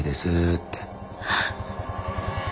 って。